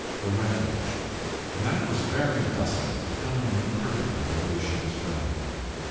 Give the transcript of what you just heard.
THE REFUGE. The night was very dusky, but Helen knew perfectly the way she was going.